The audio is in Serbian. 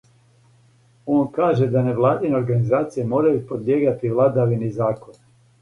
Он каже да невладине организације морају подлијегати владавини закона.